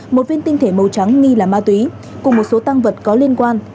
một viên tinh thể màu trắng nghi là ma túy cùng một số tăng vật có liên quan